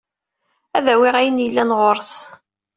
Ad awiɣ ayen yellan ɣur-s.